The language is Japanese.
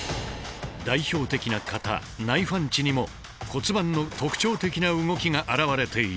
代表的な型「ナイファンチ」にも骨盤の特徴的な動きが表れている。